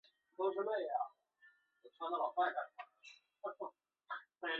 后因钱学森暂时无法离美而未果。